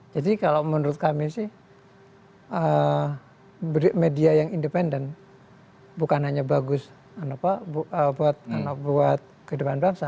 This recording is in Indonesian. jadi kalau menurut kami sih media yang independen bukan hanya bagus buat kehidupan bangsa